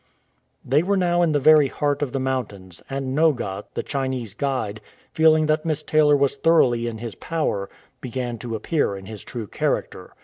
They were now in the very heart of the mountains, and Noga, the Chinese guide, feeling that Miss Taylor was thoroughly in his power, began to appear in his true character.